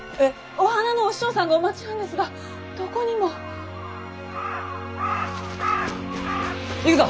お花のお師匠さんがお待ちなんですがどこにも。行くぞ！